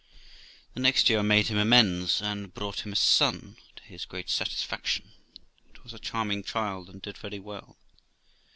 The next year I made him amends, and brought him a son, to his great satisfaction. It was a charming child, and did very well.